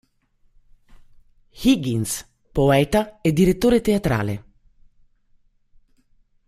Higgins, poeta e direttore teatrale.